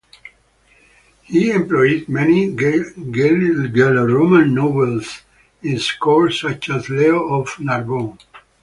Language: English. He employed many Gallo-Roman nobles in his court such as Leo of Narbonne.